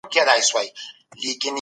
خپل مخ په صابون سره پاک ومینځئ.